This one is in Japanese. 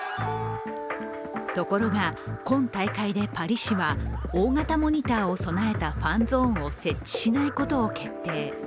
ところが、今大会でパリ市は大型モニターを備えたファンゾーンを設置しないことを決定。